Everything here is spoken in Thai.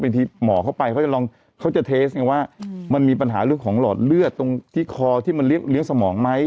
ที่หมอเข้าไปเขาจะลองเขาจะเทสไงว่ามันมีปัญหาเรื่องของหลอดเลือดตรงที่คอที่มันเลี้ยงสมองไหม